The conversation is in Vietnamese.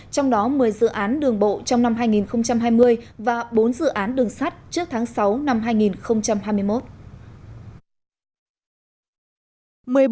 trong đó một mươi dự án đường bộ trong năm hai nghìn hai mươi và bốn dự án đường sắt trước tháng sáu năm hai nghìn hai mươi một